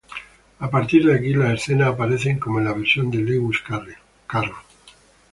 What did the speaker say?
A partir de aquí las escenas aparecen como en la versión de Lewis Carroll.